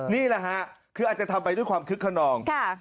นี่แหละฮะคืออาจจะทำไปด้วยความคึกขนอง